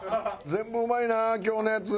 全部うまいな今日のやつ。